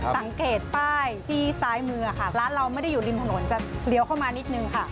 สังเกตป้ายที่ซ้ายมือค่ะร้านเราไม่ได้อยู่ริมถนนจะเลี้ยวเข้ามานิดนึงค่ะ